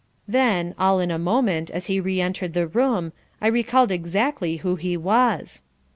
Then, all in a moment, as he re entered the room, I recalled exactly who he was.